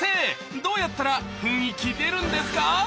どうやったら雰囲気出るんですか？